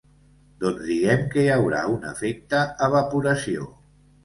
Doncs diguem que hi haurà un efecte evaporació.